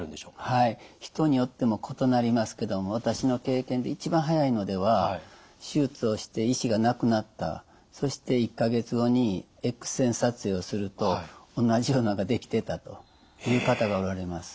はい人によっても異なりますけども私の経験で一番早いのでは手術をして石が無くなったそして１か月後にＸ線撮影をすると同じようなのができてたという方がおられます。